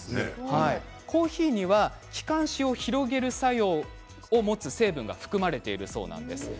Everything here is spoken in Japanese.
コーヒーには気管支を広げる作用を持つ成分が含まれているそうなんです。